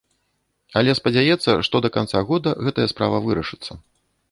Але спадзяецца, што да канца года гэтая справа вырашыцца.